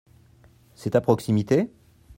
C'est à proximité ?